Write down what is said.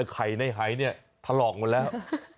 ไข่ในหายเนี่ยถลอกหมดแล้ว